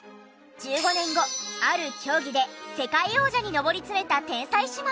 １５年後ある競技で世界王者に上り詰めた天才姉妹。